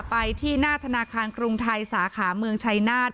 ไปที่หน้าธนาคารกรุงไทยสาขาเมืองชัยนาธิ